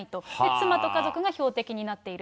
妻と家族が標的になっている。